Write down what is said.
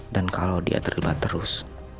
dan kalau dia terlibat terus